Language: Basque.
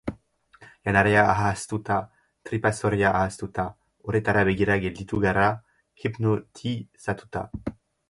Janaria ahaztuta, tripazorria ahaztuta, uretara begira gelditu gara, hipnotizatuta.